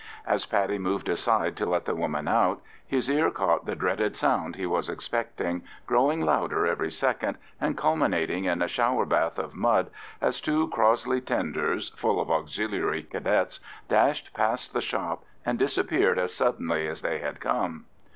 As Paddy moved aside to let the woman out, his ear caught the dreaded sound he was expecting, growing louder every second, and culminating in a shower bath of mud as two Crossley tenders, full of Auxiliary Cadets, dashed past the shop and disappeared as suddenly as they had come.